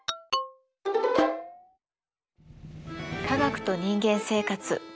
「科学と人間生活」。